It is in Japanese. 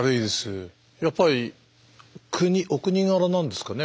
やっぱりお国柄なんですかね